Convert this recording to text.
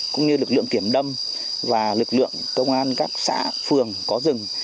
cũng như lực lượng kiểm lâm và lực lượng công an các xã phường có rừng